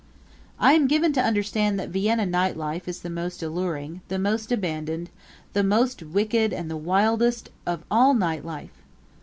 I am given to understand that Vienna night life is the most alluring, the most abandoned, the most wicked and the wildest of all night life.